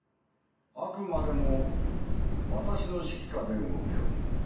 あくまでも私の指揮下で動くように。